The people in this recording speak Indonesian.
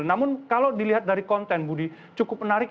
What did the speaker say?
namun kalau dilihat dari konten budi cukup menarik